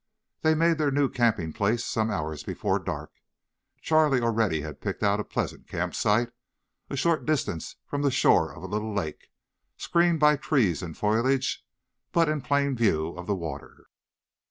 They made their new camping place some hours before dark. Charlie already had picked out a pleasant camp site, a short distance from the shore of the little lake, screened by trees and foliage, but in plain view of the water.